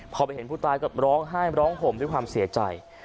พอไปเห็นผู้ตายก็ร้องไห้ร้องห่มด้วยความเสียใจ